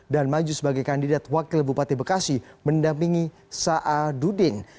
dan maju sebagai kandidat wakil bupati bekasi mendampingi sa'adudin